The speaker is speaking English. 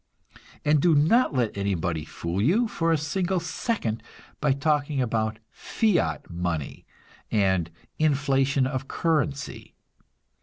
And do not let anybody fool you for a single second by talking about "fiat money" and "inflation of the currency."